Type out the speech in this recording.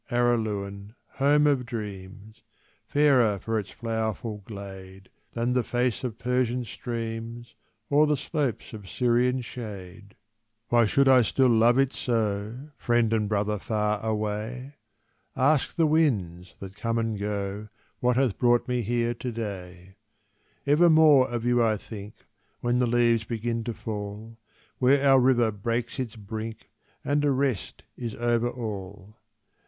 Araluen home of dreams, Fairer for its flowerful glade Than the face of Persian streams Or the slopes of Syrian shade; Why should I still love it so, Friend and brother far away? Ask the winds that come and go, What hath brought me here to day. Evermore of you I think, When the leaves begin to fall, Where our river breaks its brink, And a rest is over all.